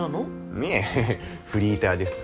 いえフリーターです。